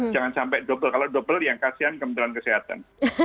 jangan sampai double kalau double yang kasihan kementerian kesehatan